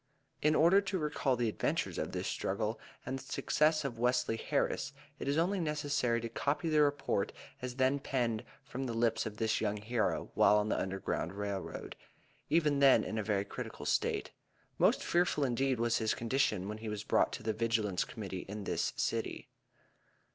In order to recall the adventures of this struggle, and the success of Wesley Harris, it is only necessary to copy the report as then penned from the lips of this young hero, while on the Underground Rail Road, even then in a very critical state. Most fearful indeed was his condition when he was brought to the Vigilance Committee in this City.